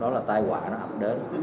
đó là tai quả nó ập đến